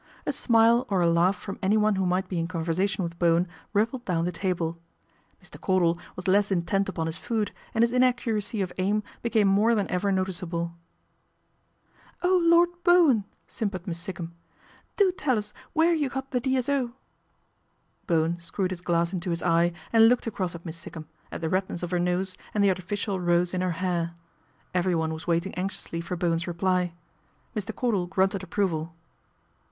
A smile or a laugh from anyone who might be in conversation with Bowen rippled down the table. Mr. Cordal was less intent upon his food, and his inaccuracy of aim became more than ever noticeable. " Oh, Lord Bowen !" simpered Miss Sikkum, " do tell us where you got the D.S.O." Bowen screwed his glass into his eye and looked across at Miss Sikkum, at the redness of her nose and the artificial rose in her hair. Everyone was waiting anxiously for Bowen's reply. Mr. Cordal grunted approval.